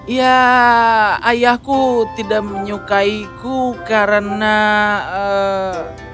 ya ayahku tidak menyukaiku karena aku tidak suka kucing